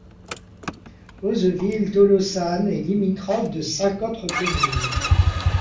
Auzeville-Tolosane est limitrophe de cinq autres communes.